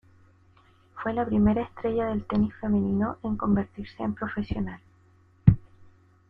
Fue la primera estrella del tenis femenino en convertirse en profesional.